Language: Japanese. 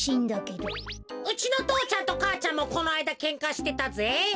うちの父ちゃんと母ちゃんもこのあいだケンカしてたぜ。